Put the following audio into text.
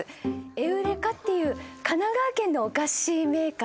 エウレカっていう神奈川県のお菓子メーカー